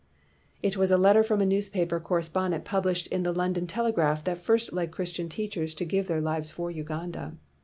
It was a letter from a newspaper corre spondent published in the London Tele graph that first led Christian teachers to give their lives for Uganda.